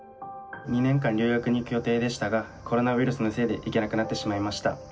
２年間留学に行く予定でしたがコロナウイルスのせいで行けなくなってしまいました。